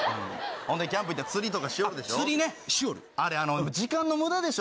ほんでキャンプ行ったら、釣りしよるでしょ？